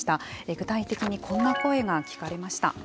具体的にこんな声が聞かれました。